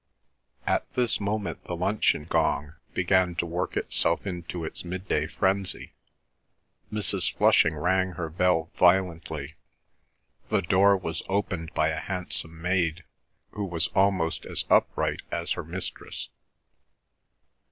At this moment the luncheon gong began to work itself into its midday frenzy. Mrs. Flushing rang her bell violently. The door was opened by a handsome maid who was almost as upright as her mistress.